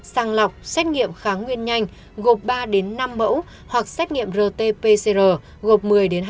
sàng lọc xét nghiệm kháng nguyên nhanh gộp ba năm mẫu hoặc xét nghiệm rt pcr gộp một mươi hai mươi